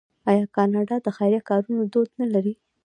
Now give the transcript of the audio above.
آیا کاناډا د خیریه کارونو دود نلري؟